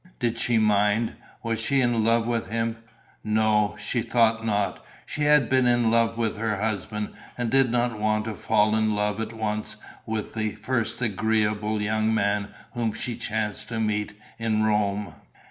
Did she mind? Was she in love with him? No, she thought not. She had been in love with her husband and did not want to fall in love at once with the first agreeable young man whom she chanced to meet in Rome....